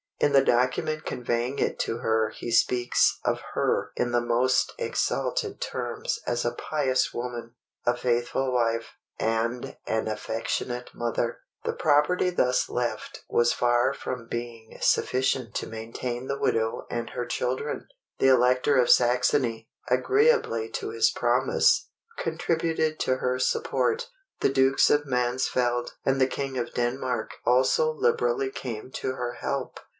In the document conveying it to her he speaks of her in the most exalted terms as a pious woman, a faithful wife, and an affectionate mother. The property thus left was far from being sufficient to maintain the widow and her children. The Elector of Saxony, agreeably to his promise, contributed to her support. The dukes of Mansfeld and the King of Denmark also liberally came to her help.